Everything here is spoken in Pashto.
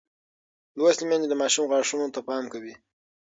لوستې میندې د ماشوم غاښونو ته پام کوي.